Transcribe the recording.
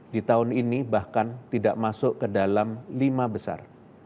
di tahun ini bahkan tidak masuk ke dalam lima besar